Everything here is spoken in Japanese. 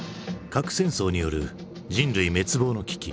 核戦争による人類滅亡の危機。